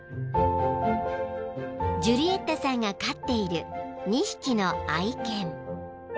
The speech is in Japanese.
［ジュリエッタさんが飼っている２匹の愛犬］